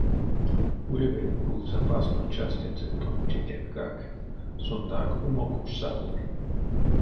Улевельть бу запасной частензэ тонь тетятькак, сонгак умок уш саволь.